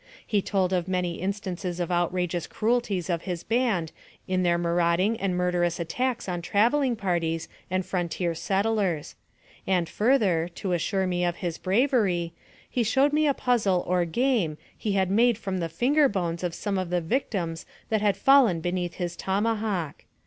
He told of many instances of out rageous cruelties of his band in their marauding and murderous attacks on traveling parties and frontier settlers; and, further, to assure me of his bravery, he showed me a puzzle or game he had made from the finger bones of some of the victims that had fallen be neath his own tomahawk.